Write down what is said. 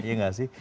iya gak sih